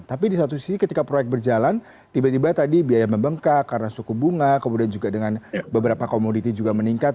tapi di satu sisi ketika proyek berjalan tiba tiba tadi biaya membengkak karena suku bunga kemudian juga dengan beberapa komoditi juga meningkat